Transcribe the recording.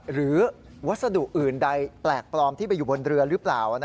วัสดุอื่นใดแปลกปลอมที่ไปอยู่บนเรือหรือเปล่า